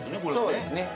そうですね。